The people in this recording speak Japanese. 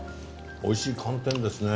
おいしい寒天ですね。